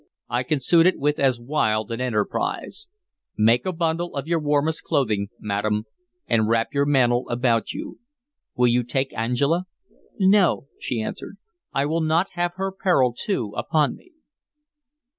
"I can suit it with as wild an enterprise. Make a bundle of your warmest clothing, madam, and wrap your mantle about you. Will you take Angela?" "No," she answered. "I will not have her peril too upon me."